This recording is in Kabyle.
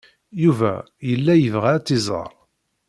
Yuba yella yebɣa ad tt-iẓer.